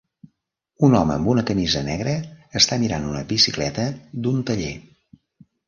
Un home amb una camisa negra està mirant una bicicleta d'un taller.